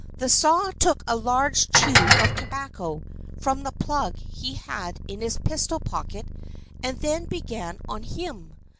The saw took a large chew of tobacco from the plug he had in his pistol pocket and then began on him.